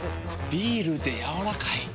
ビールでやわらかい。